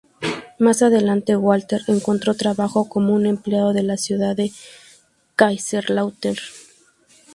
Más adelante Walter encontró trabajo como un empleado de la ciudad de Kaiserslautern.